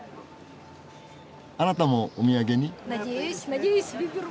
あなたもお土産に？